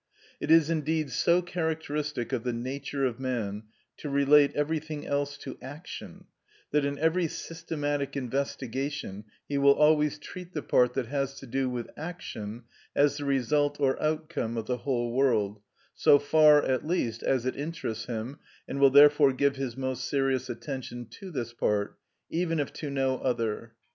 It is indeed so characteristic of the nature of man to relate everything else to action, that in every systematic investigation he will always treat the part that has to do with action as the result or outcome of the whole work, so far, at least, as it interests him, and will therefore give his most serious attention to this part, even if to no other.